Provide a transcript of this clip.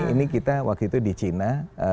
ini kita waktu itu di china